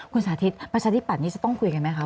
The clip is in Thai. คุณสาธิตประชาธิปัตย์นี้จะต้องคุยกันไหมคะ